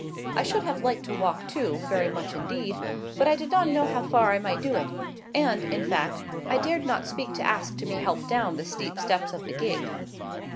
I should have liked to walk, too, very much indeed; but I did not know how far I might do it; and, in fact, I dared not speak to ask to be helped down the deep steps of the gig.